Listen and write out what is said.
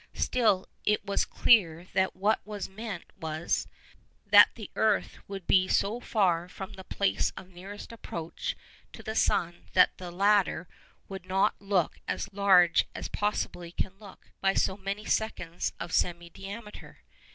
Still it was clear that what was meant was, that the earth would be so far from the place of nearest approach to the sun that the latter would not look as large as it possibly can look, by so many seconds of semi diameter.